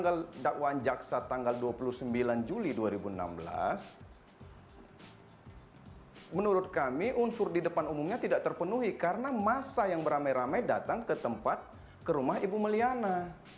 kalau dakwaan jaksa tanggal dua puluh sembilan juli dua ribu enam belas menurut kami unsur di depan umumnya tidak terpenuhi karena masa yang beramai ramai datang ke tempat ke rumah ibu maliana